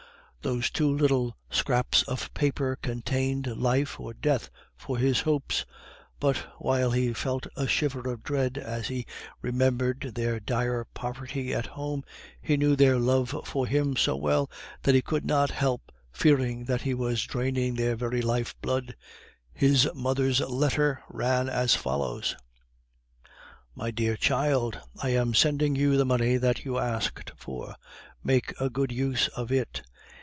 Those two little scraps of paper contained life or death for his hopes. But while he felt a shiver of dread as he remembered their dire poverty at home, he knew their love for him so well that he could not help fearing that he was draining their very life blood. His mother's letter ran as follows: "MY DEAR CHILD, I am sending you the money that you asked for. Make a good use of it.